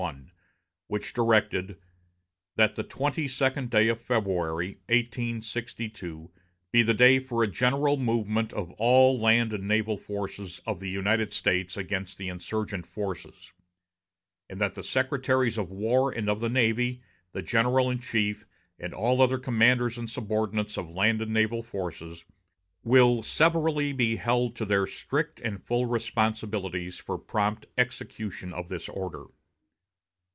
I, which directed "that the 22d day of February, 1862, be the day for a general movement of all the land and naval forces of the United States against the insurgent forces," and that the Secretaries of War and of the Navy, the general in chief, and all other commanders and subordinates of land and naval forces "will severally be held to their strict and full responsibilities for prompt execution of this order."